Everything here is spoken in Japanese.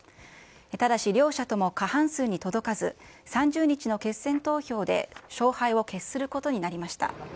ただし両者とも過半数に届かず、３０日の決選投票で勝敗を決することになりました。